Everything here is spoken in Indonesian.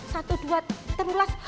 satu dua tiga pulas